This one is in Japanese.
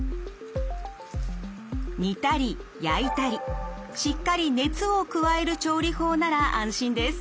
煮たり焼いたりしっかり熱を加える調理法なら安心です。